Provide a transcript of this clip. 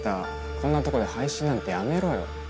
こんなとこで配信なんてやめろよ。